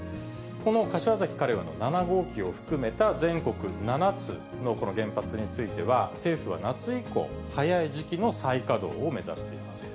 この柏崎刈羽の７号機を含めた全国７つのこの原発については、政府は夏以降、早い時期の再稼働を目指しています。